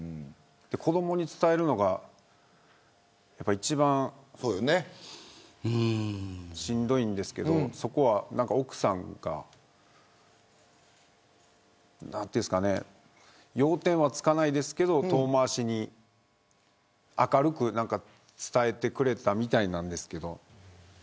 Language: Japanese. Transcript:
子どもに伝えるのが一番しんどいんですけれどそこは奥さんが要点はつかないですけど遠回しに明るく伝えてくれたみたいなんですけど。